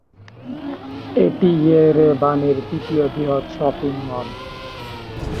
এটি ইয়েরেভানের তৃতীয় বৃহত্তম শপিং মল।